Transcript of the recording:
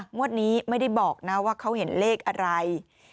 งวดนี้ไม่ได้บอกนะว่าเขาเห็นเลขอะไร